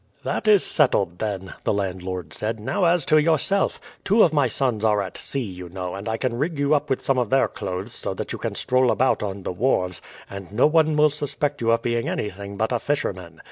"That is settled then," the landlord said. "Now, as to yourself. Two of my sons are at sea, you know, and I can rig you up with some of their clothes so that you can stroll about on the wharves, and no one will suspect you of being anything but a fisherman.